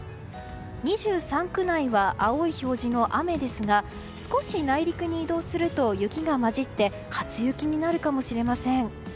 ２３区内は青い表示の雨ですが、少し内陸に移動すると雪が交じって初雪になるかもしれません。